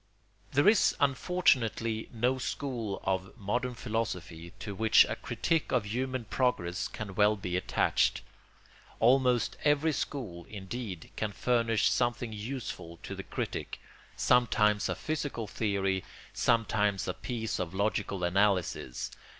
] There is unfortunately no school of modern philosophy to which a critique of human progress can well be attached. Almost every school, indeed, can furnish something useful to the critic, sometimes a physical theory, sometimes a piece of logical analysis.